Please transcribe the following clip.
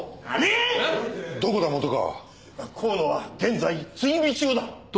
河野は現在追尾中だ。